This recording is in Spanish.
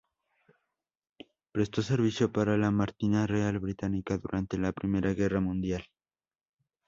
Prestó servicio para la Marina Real Británica durante la Primera Guerra Mundial.